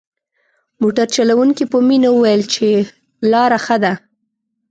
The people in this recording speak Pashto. موټر چلوونکي په مينه وويل چې لاره ښه ده.